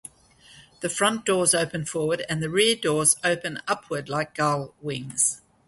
The front doors open forward and the rear doors open upward like gull wings.